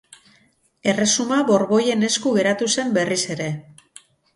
Erresuma borboien esku geratu zen, berriz ere.